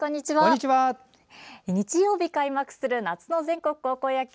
日曜日、開幕する夏の全国高校野球。